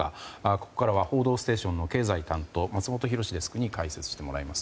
ここからは「報道ステーション」の経済担当松本寛史デスクに解説してもらいます。